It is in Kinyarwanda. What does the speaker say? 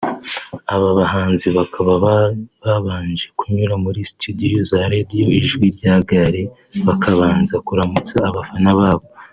aba bahanzi bakaba babanje kunyura muri Studio za radio ijwi rya Gare bakabanza kuramutsa abafana babo